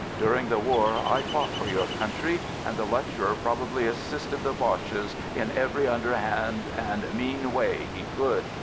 During the war I fought for your country, and the lecturer probably assisted the Boches in every underhand and mean way he could.